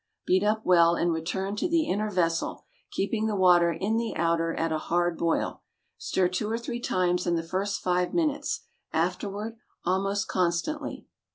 Beat up well and return to the inner vessel, keeping the water in the outer at a hard boil. Stir two or three times in the first five minutes; afterward, almost constantly.